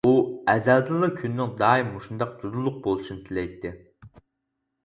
ئۇ ئەزەلدىنلا كۈننىڭ دائىم مۇشۇنداق جۇدۇنلۇق بولۇشىنى تىلەيتتى.